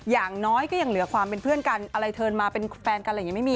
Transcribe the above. อย่างน้อยก็ยังเหลือความเป็นเพื่อนกันอะไรเทินมาเป็นแฟนกันอะไรอย่างนี้ไม่มี